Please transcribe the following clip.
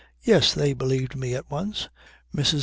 "Yes, they believed me at once. Mrs.